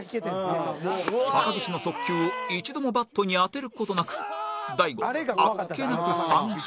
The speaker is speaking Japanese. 高岸の速球を一度もバットに当てる事なく大悟あっけなく三振